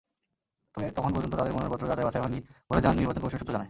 তবে তখন পর্যন্ত তাঁদের মনোনয়নপত্র যাচাই-বাছাই হয়নি বলে নির্বাচন কমিশন সূত্র জানায়।